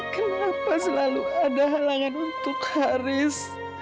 kenapa selalu ada halangan untuk haris